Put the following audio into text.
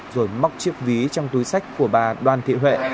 rồi móc chiếc ví trong túi sách của bà đoàn thị huệ